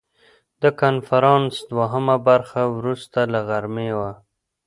د کنفرانس دوهمه برخه وروسته له غرمې وه.